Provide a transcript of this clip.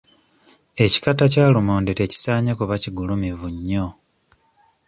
Ekikata kya lumonde tekisaanye kuba kigulumivu nnyo.